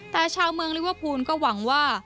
แต่ชาวเมืองลิเวอร์พูลก็หวังว่า